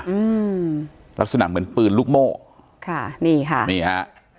อืมลักษณะเหมือนปืนลูกโม่ค่ะนี่ค่ะนี่ฮะ